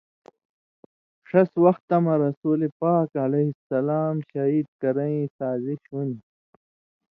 ݜس وختہ مہ رسولِ پاک علیہ سلام شہید کرئیں سازِش ہُون٘دیۡ